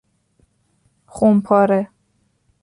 خمپاره